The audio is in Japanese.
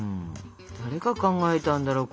誰が考えたんだろうこれ。